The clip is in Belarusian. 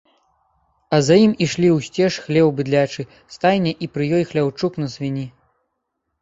А за ім ішлі ўсцяж хлеў быдлячы, стайня і пры ёй хляўчук на свінні.